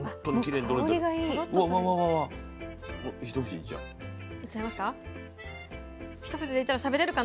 いっちゃいますか。